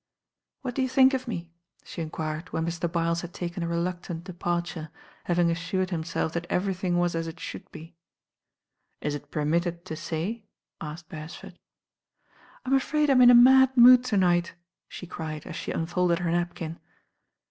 "What do you think of me?" she enquired when Mr. Byles had taken a reluctant departure, having assured himself that everything was as it should be. "Is it permitted to say?" asked Beresford. "I'm afraid I'm in a mad mood to night," she cried as she unfolded her napkin.